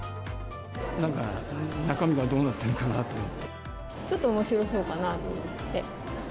なんか中身がどうなっているちょっとおもしろそうかなと思って。